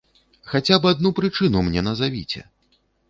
Хаця б адну прычыну мне назавіце!